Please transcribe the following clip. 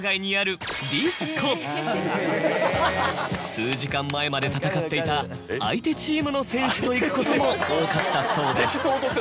数時間前まで戦っていた相手チームの選手と行くことも多かったそうです。